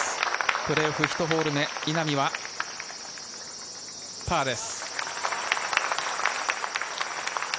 プレーオフ１ホール目、稲見はパーです。